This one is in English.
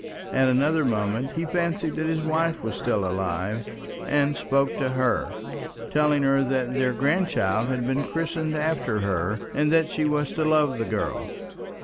At another moment he fancied that his wife was still alive, and spoke to her, telling her that their grandchild had been christened after her, and that she was to love the girl.